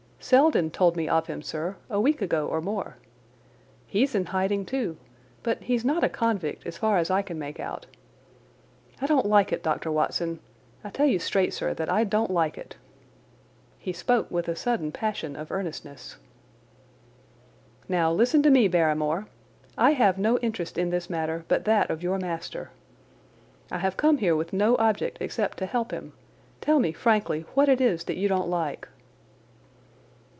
"Selden told me of him, sir, a week ago or more. He's in hiding, too, but he's not a convict as far as I can make out. I don't like it, Dr. Watson—I tell you straight, sir, that I don't like it." He spoke with a sudden passion of earnestness. "Now, listen to me, Barrymore! I have no interest in this matter but that of your master. I have come here with no object except to help him. Tell me, frankly, what it is that you don't like."